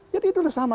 jadi itu adalah sama